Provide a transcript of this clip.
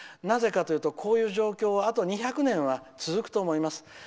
なぜかというと、こういう状況はあと２００年は続くと思います。